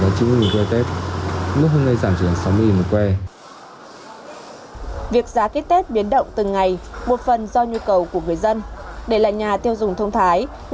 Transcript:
để là nhà tiêu dùng thông thái người dân nên lựa chọn những loại kit test covid một mươi chín chất lượng có nguồn gốc xuất xứ rõ ràng tránh tiền mất tật mang